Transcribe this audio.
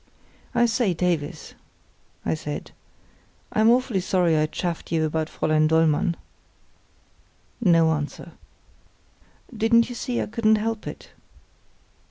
"I say, Davies," I said, "I'm awfully sorry I chaffed you about Fräulein Dollmann." (No answer.) "Didn't you see I couldn't help it?"